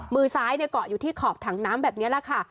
มือซ้ายเกาะอยู่ที่ขอบถังน้ำแบบนี้แหละค่ะ